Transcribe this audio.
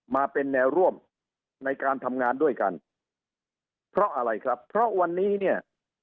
มาเป็นแนวร่วมในการทำงานด้วยกันเพราะอะไรครับเพราะวันนี้เนี่ย